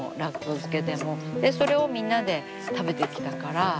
それをみんなで食べてきたから。